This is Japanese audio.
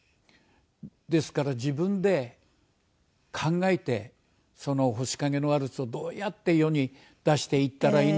ですから自分で考えて『星影のワルツ』をどうやって世に出していったらいいんだろう。